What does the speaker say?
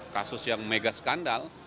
kasus yang mega skandal